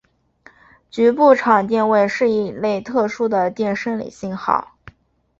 局部场电位是一类特殊的电生理信号。